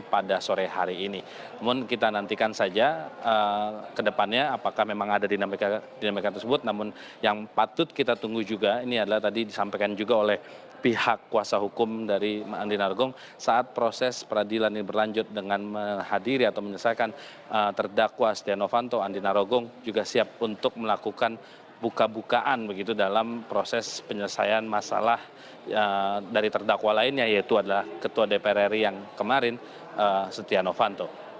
pada saat ini ada juga poin menarik yudha ini terkait dengan penyampaian dari tim kuasa hukum andi narogong saat proses peradilan ini berlanjut dengan menghadiri atau menyelesaikan terdakwa setia novanto andi narogong juga siap untuk melakukan buka bukaan begitu dalam proses penyelesaian masalah dari terdakwa lainnya yaitu adalah ketua dpr ri yang kemarin setia novanto